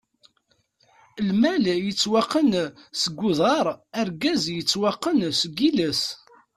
Lmal yettwaqqan seg uḍaṛ, argaz yettwaqqan seg iles!